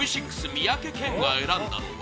三宅健が選んだのは